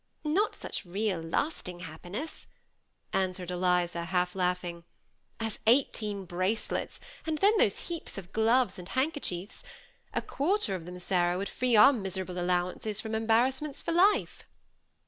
^ Not such real, lasting happiness/' answered Eliza, half laughing, "as eighteen bracelets, and then those heaps of gloves and handkerchiefs. A quarter of them, Sarah, would free our miserable allowances from embarrassments for life."